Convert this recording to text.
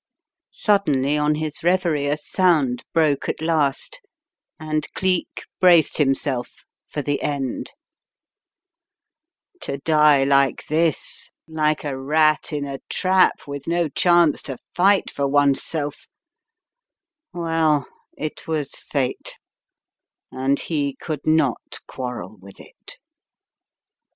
Suddenly on his reverie a sound broke at last and Cleek braced himself for the end. To die like this — like a rat in a trap with no chance to fight for 214 The Riddle of ike Purple Emperor one's self! Well, it was Fate, and he could not quarrel with it.